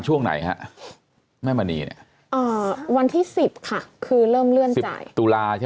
ช่วงไหนครับแม่มณีวันที่๑๐ค่ะคือเริ่มเลื่อนจ่ายตุลาใช่ไหม